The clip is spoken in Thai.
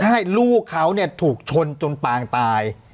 ใช่ลูกเขาถูกชนจนปางตาย